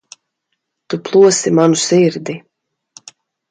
Tu plosi manu sirdi.